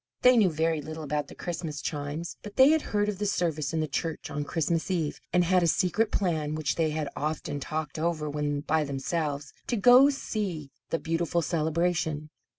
They knew very little about the Christmas chimes, but they had heard of the service in the church on Christmas Eve, and had a secret plan which they had often talked over when by themselves, to go to see the beautiful celebration.